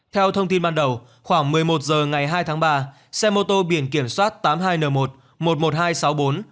theo thông tin ban đầu khoảng một mươi một h ngày hai tháng ba xe mô tô biển kiểm soát tám mươi hai n một một mươi một nghìn hai trăm sáu mươi bốn